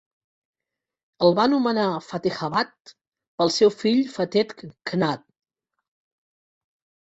El va anomenar Fatehabad pel seu fill Fateh Khan.